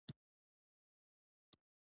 ایا موږ کولی شو لږترلږه لوحې ته وګورو